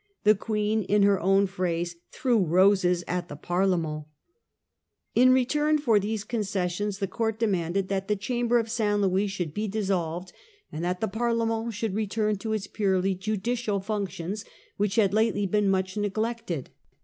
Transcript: The Queen, in her own phrase, * threw roses at the Parlement .* In return for these concessions the court demanded that the Chamber of St. Louis should be dissolved, and that the Parlement should return to its purely judicial functions, which had lately been much neglected.